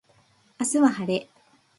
明日は晴れ